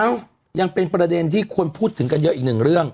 ยังเป็นประเด็นที่ควรพูดถึงกันเยอะอีกหนึ่งเรื่อง